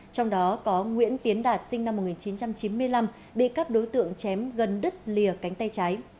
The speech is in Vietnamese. trong đó có nguyễn tiến đạt sinh năm một nghìn chín trăm chín mươi năm bị các đối tượng chém gần đứt lìa cánh tay trái